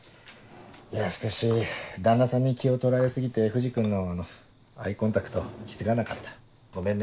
いやしかし旦那さんに気を取られ過ぎて藤君のあのアイコンタクト気付かなかったごめんね。